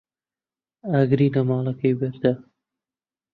ئاگری لە ماڵەکەی بەردا.